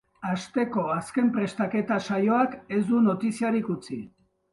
Asteko azken prestaketa saioak ez du notiziarik utzi.